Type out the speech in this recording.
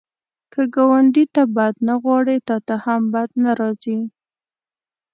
که ګاونډي ته بد نه غواړې، تا ته هم بد نه راځي